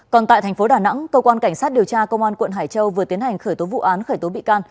còn tại thành phố đà nẵng cơ quan cảnh sát điều tra công an quận hải châu vừa tiến hành khởi tố vụ án khởi tố bị can